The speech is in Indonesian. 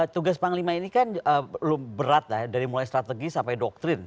tugas panglima ini kan berat lah dari mulai strategi sampai doktrin